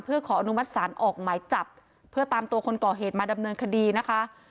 เพื่อขออนุมัติศาลออกหมายจับเพื่อตามตัวคนก่อเหตุมาดำเนินคดีนะคะ